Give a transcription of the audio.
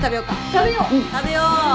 食べよう。